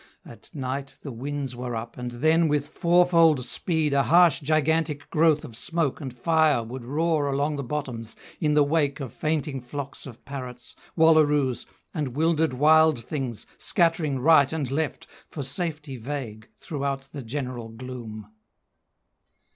At night The winds were up, and then, with four fold speed A harsh gigantic growth of smoke and fire Would roar along the bottoms, in the wake Of fainting flocks of parrots, wallaroos, And 'wildered wild things, scattering right and left, For safety vague, throughout the general gloom.